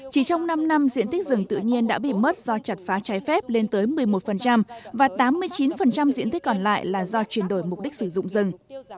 chỉ trong năm năm diện tích rừng tự nhiên đã bị mất do chặt phá trái phép lên tới một mươi một và tám mươi chín diện tích còn lại là do chuyển đổi mục đích sử dụng rừng